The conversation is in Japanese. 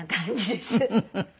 フフフ！